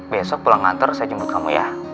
besok pulang nganter saya jemput kamu ya